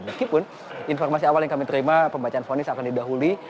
meskipun informasi awal yang kami terima pembacaan fonis akan didahului